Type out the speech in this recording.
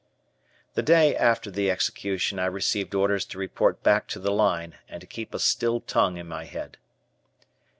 The day after the execution I received orders to report back to the line, and to keep a still tongue in my head.